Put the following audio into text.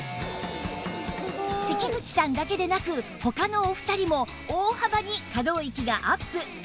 関口さんだけでなく他のお二人も大幅に可動域がアップ！